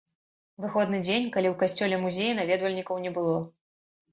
Выходны дзень, калі ў касцёле-музеі наведвальнікаў не было.